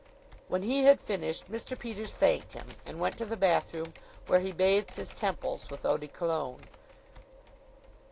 When he had finished, Mr. Peters thanked him and went to the bathroom, where he bathed his temples with eau de Cologne.